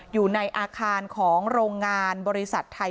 อยู่ในอาคารของโรงงานบริษัทไทย